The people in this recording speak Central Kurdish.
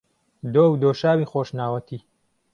دۆ و دۆشاوی خۆشناوەتی